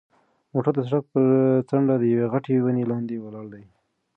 موټر د سړک پر څنډه د یوې غټې ونې لاندې ولاړ دی.